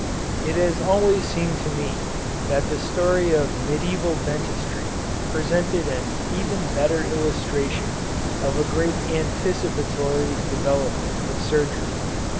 It has always seemed to me that the story of Medieval Dentistry presented an even better illustration of a great anticipatory development of surgery.